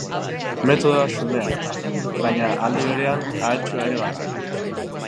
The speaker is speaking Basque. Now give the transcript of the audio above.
Metodoa xumea, baina, aldi berean, ahaltsua ere bada.